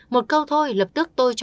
một câu thôi lập tức tôi cho